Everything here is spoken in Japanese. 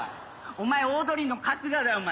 お前オードリーの春日だお前！